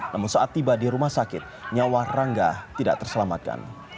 namun saat tiba di rumah sakit nyawa rangga tidak terselamatkan